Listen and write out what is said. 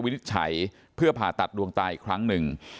นิจฉัยเพื่อผ่าตัดดวงตาอีกครั้งหนึ่ง